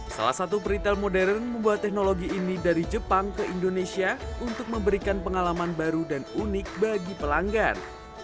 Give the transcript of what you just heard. salah satu peritel modern membuat teknologi ini dari jepang ke indonesia untuk memberikan pengalaman baru dan unik bagi pelanggan